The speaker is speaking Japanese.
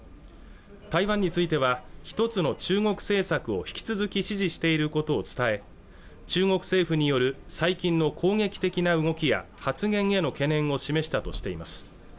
台湾については一つの中国政策を引き続き支持していることを伝え中国政府による最近の攻撃的な動きや発言への懸念を示したとしています